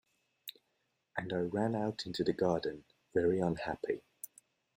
And I ran out into the garden, very unhappy.